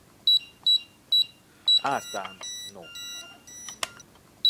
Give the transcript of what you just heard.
Ártánt No.